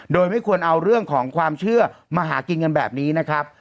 โดยไม่ควรเอาเรื่องของความเชื่อมาหากินกันแบบนี้นะครับ